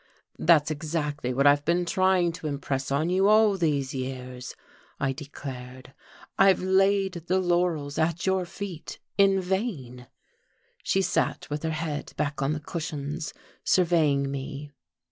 "That's exactly what I've been trying to impress on you all these years," I declared. "I've laid the laurels at your feet, in vain." She sat with her head back on the cushions, surveying me.